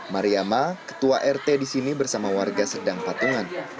mariama ketua rt di sini bersama warga sedang patungan